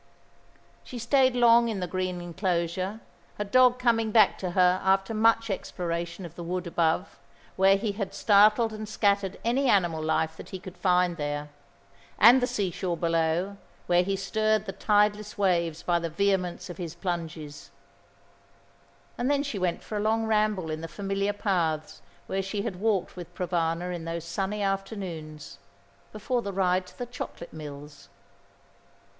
She stayed long in the green enclosure, her dog coming back to her after much exploration of the wood above, where he had startled and scattered any animal life that he could find there, and the seashore below, where he stirred the tideless waves by the vehemence of his plunges; and then she went for a long ramble in the familiar paths where she had walked with Provana in those sunny afternoons, before the ride to the chocolate mills.